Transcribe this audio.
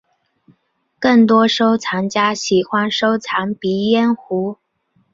更多收藏家喜欢收藏鼻烟壶。